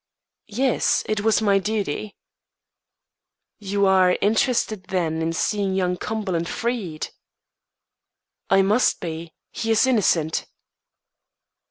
"Yes, it was my duty." "You are interested then in seeing young Cumberland freed?" "I must be; he is innocent."